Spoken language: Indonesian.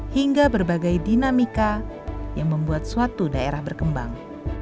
hingga berbagai dinamika yang membuat suatu daerah berkembang